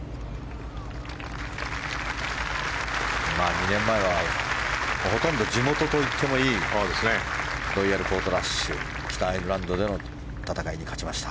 ２年前はほとんど地元といってもいいロイヤル・ポートラッシュ北アイルランドでの戦いに勝ちました。